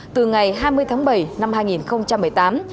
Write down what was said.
từ ngày hai mươi tháng bảy năm hai nghìn một mươi tám